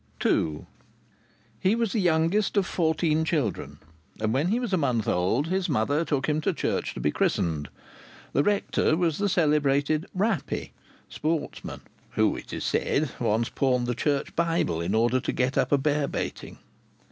II He was the youngest of fourteen children, and when he was a month old his mother took him to church to be christened. The rector was the celebrated Rappey, sportsman, who (it is said) once pawned the church Bible in order to get up a bear baiting.